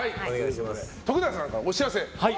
徳永さんからお知らせが。